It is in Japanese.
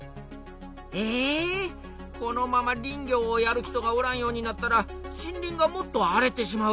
えこのまま林業をやる人がおらんようになったら森林がもっと荒れてしまうやん。